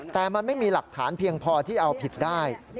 แต่มันไม่มีหลักฐานเพียงพอที่เอาผิดได้